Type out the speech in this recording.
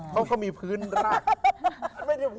เขาก็มีพื้นราก